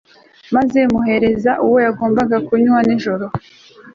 maze ndangije muhereza uwo yagombaga kunywa nijoro